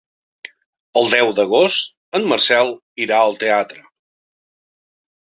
El deu d'agost en Marcel irà al teatre.